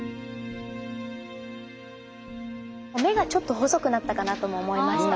目がちょっと細くなったかなとも思いました。